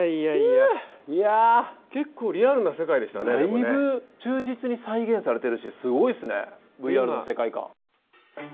だいぶ忠実に再現されてるしすごいっすねＶＲの世界観。